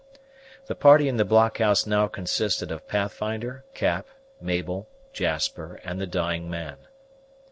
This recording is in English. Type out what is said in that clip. The party in the blockhouse now consisted of Pathfinder, Cap, Mabel, Jasper, and the dying man.